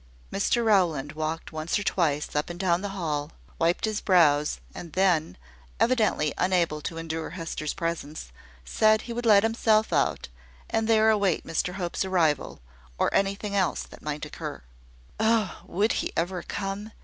Mr Rowland walked once or twice up and down the hall, wiped his brows, and then, evidently unable to endure Hester's presence, said he would let himself out, and there await Mr Hope's arrival, or anything else that might occur. Oh! would he ever come?